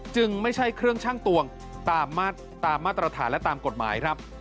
จึงไม่ใช่เครื่องชั่งตวงตามมาตรฐานและตามกฎหมายครับ